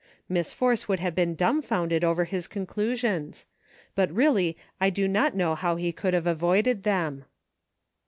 Miss Force would have been dumbfounded over his conclusions ; but really I do not know how he could have avoided them.